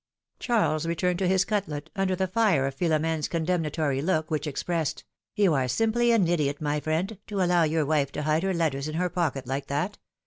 Charles returned to his cutlet, under the fire of Philo mene's condemnatory look which expressed: ^^You are simply an idiot, my friend, to allow your wife to hide her letters in her pocket like that!